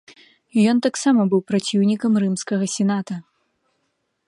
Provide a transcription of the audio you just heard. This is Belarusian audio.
Ён таксама быў праціўнікам рымскага сената.